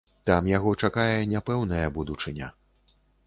Там яго чакае няпэўная будучыня.